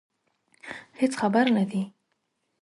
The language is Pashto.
هېڅ خبر نه دي.